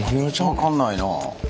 分かんないなあ。